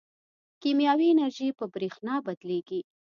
کیمیاوي انرژي په برېښنا بدلېږي.